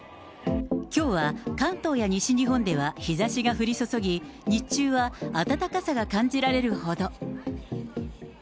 きょうは関東や西日本では日ざしが降り注ぎ、日中は暖かさが感じられるほど。